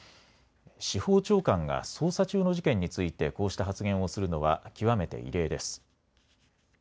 司法長官が捜査中の事件についてこうした発言をするのは極めて異例です。